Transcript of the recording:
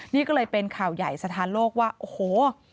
นี่ก็เลยเป็นข่าวใหญ่สถานโลกว่าโอ้โห